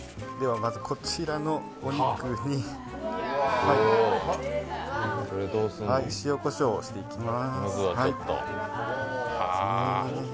まずこちらのお肉に塩こしょうをしていきます。